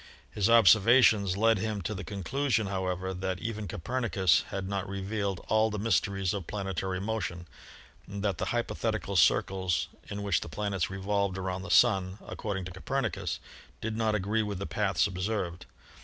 His observations led him to the conclusion, however, that even Copernicus had not revealed all the mysteries of planetary motion and that the hypothetical circles in which the planets revolved around the Sun, according to Copernicus, did not agree with the paths observed.